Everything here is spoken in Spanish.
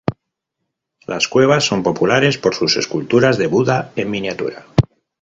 Las cuevas son populares por sus esculturas de Buda en miniatura.